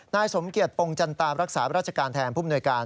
นายสมเกียจปงจันตารักษาราชการแทนผู้มนวยการ